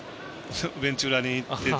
ベンチ裏に行ってって。